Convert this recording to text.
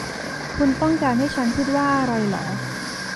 คุณต้องการให้ฉันพูดว่าอะไรหรอ